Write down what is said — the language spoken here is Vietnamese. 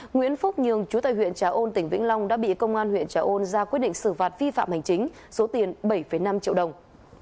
nguyễn phúc nhường chú tại huyện trà ôn tỉnh vĩnh long đã bị công an huyện trà ôn ra quyết định xử phạt vi phạm hành chính số tiền bảy năm triệu đồng